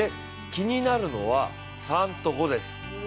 気になるのは３と５です。